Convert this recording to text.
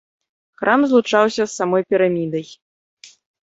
Храм злучаўся з самой пірамідай.